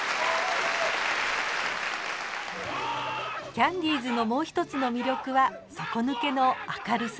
キャンディーズのもう一つの魅力は底抜けの明るさ。